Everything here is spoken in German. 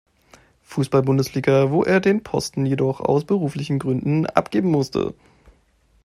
Fußball-Bundesliga, wo er den Posten jedoch aus beruflichen Gründen abgeben musste.